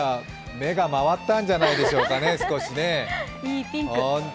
目が回ったんじゃないでしょうかね、少しね。